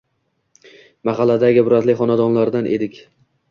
Mahalladagi ibratli xonadonlardan edik